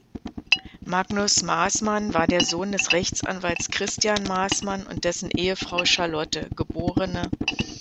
Magnus Maßmann war der Sohn des Rechtsanwalts Christian Maßmann und dessen Ehefrau Charlotte, geb.